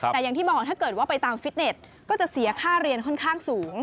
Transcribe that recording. แต่อย่างที่บอกถ้าเกิดว่าไปตามฟิตเน็ตก็จะเสียค่าเรียนค่อนข้างสูง